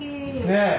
ねえ。